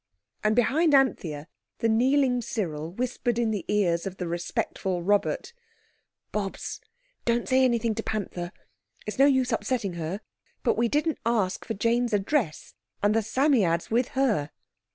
And behind Anthea the kneeling Cyril whispered in the ears of the respectful Robert— "Bobs, don't say anything to Panther. It's no use upsetting her, but we didn't ask for Jane's address, and the Psammead's with her."